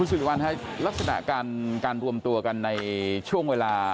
สิริวัลฮะลักษณะการรวมตัวกันในช่วงเวลา